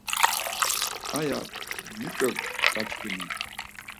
Aya muç̌o gaçkinu?